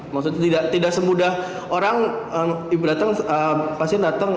maksudnya tidak semudah orang ibu datang pasien datang